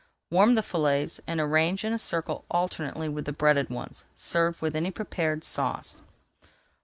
Warm the fillets and arrange in a circle alternately with the breaded ones. Serve with any preferred sauce.